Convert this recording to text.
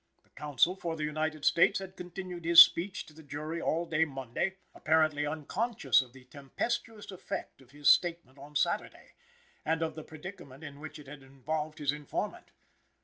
The counsel for the United States had continued his speech to the jury all day Monday, apparently unconscious of the tempestuous effect of his statement of Saturday, and of the predicament in which it had involved his informant.